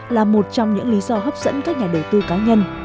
là một trong những lý do hấp dẫn các nhà đầu tư cá nhân